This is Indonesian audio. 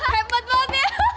hebat banget ya